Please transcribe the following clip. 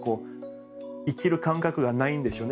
生きる感覚がないんでしょうね